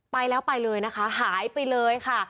ไปแล้วไปเลยนะคะหายไปเลยค่ะ